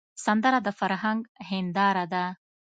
سندره د فرهنګ هنداره ده